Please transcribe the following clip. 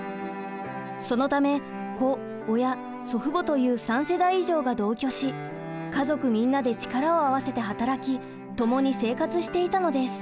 そのため子親祖父母という３世代以上が同居し家族みんなで力を合わせて働き共に生活していたのです。